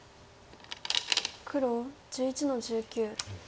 黒１１の十九。